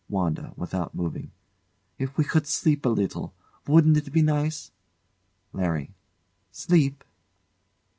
] WANDA. [Without moving] If we could sleep a little wouldn't it be nice? LARRY. Sleep?